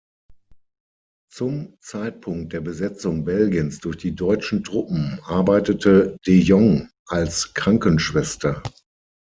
Zum Zeitpunkt der Besetzung Belgiens durch die deutschen Truppen arbeitete De Jongh als Krankenschwester.